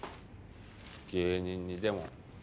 「芸人にでも」